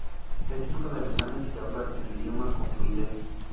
Es hijo de alemanes y habla el idioma con fluidez.